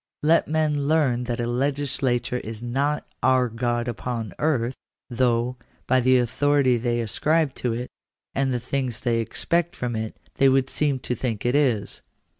Let men learn that a legislature is not " our God upon earth," though, by the authority they ascribe to it, and the things they expect from it, they would seem to think it is.